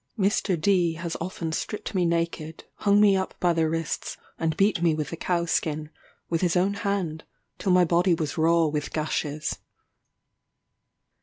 Mr. D has often stripped me naked, hung me up by the wrists, and beat me with the cow skin, with his own hand, till my body was raw with gashes.